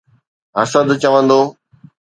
حسد چوندو.